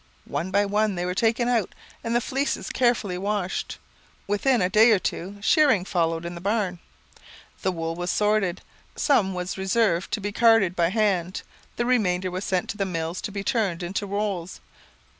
One by one they were taken out, and the fleeces carefully washed. Within a day or two, shearing followed in the barn. The wool was sorted; some was reserved to be carded by hand; the remainder was sent to the mills to be turned into rolls.